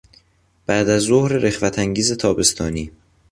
بعد از ظهر رخوتانگیز تابستانی